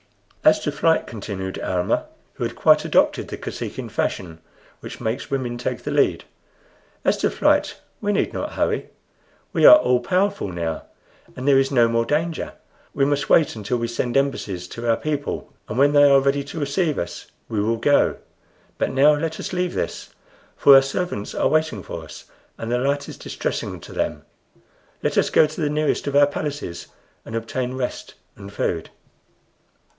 "As to flight," continued Almah, who had quite adopted the Kosekin fashion, which makes women take the lead "as to flight, we need not hurry. We are all powerful now, and there is no more danger. We must wait until we send embassies to my people, and when they are ready to receive us, we will go. But now let us leave this, for our servants are waiting for us, and the light is distressing to them. Let us go to the nearest of our palaces and obtain rest and food."